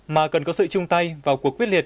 mà cần có sự chung tay vào cuộc quyết liệt